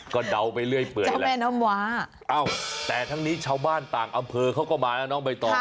ก็เดาไปเรื่อยเปื่อยแหละแม่น้ำว้าแต่ทั้งนี้ชาวบ้านต่างอำเภอเขาก็มาแล้วน้องใบตอง